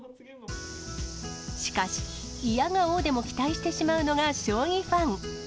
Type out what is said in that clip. しかし、いやがおうでも期待してしまうのが、将棋ファン。